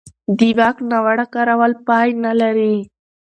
د واک ناوړه کارول پای نه لري